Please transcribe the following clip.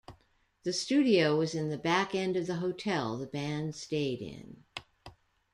The studio was in the back end of the hotel the band stayed in.